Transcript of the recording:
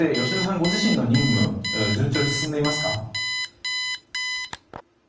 ご自身の任務は順調に進んでいますか？